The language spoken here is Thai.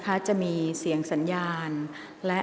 กรรมการท่านที่สี่ได้แก่กรรมการใหม่เลขเก้า